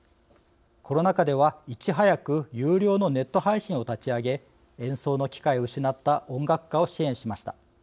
コロナ禍では、いち早く有料のネット配信を立ち上げ演奏の機会を失った音楽家を支援しました。